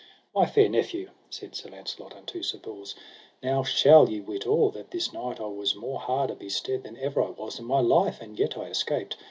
My fair nephew, said Sir Launcelot unto Sir Bors, now shall ye wit all, that this night I was more harder bestead than ever I was in my life, and yet I escaped.